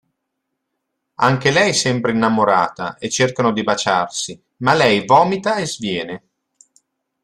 Anche lei sembra innamorata e cercano di baciarsi ma lei vomita e sviene.